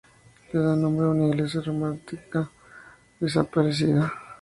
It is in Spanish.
Le da nombre una iglesia románica desaparecida.